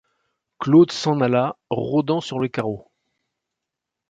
Claude s’en alla, rôdant sur le carreau.